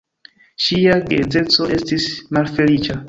Ŝia geedzeco estis malfeliĉa.